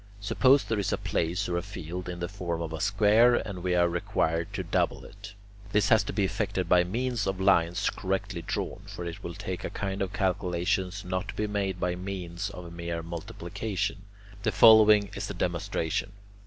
Suppose there is a place or a field in the form of a square and we are required to double it. This has to be effected by means of lines correctly drawn, for it will take a kind of calculation not to be made by means of mere multiplication. The following is the demonstration.